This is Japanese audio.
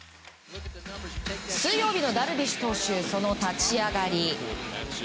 水曜日のダルビッシュ投手その立ち上がり。